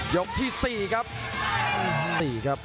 ยกที่๔ครับ